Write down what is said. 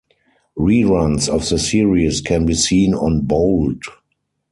Reruns of the series can be seen on bold.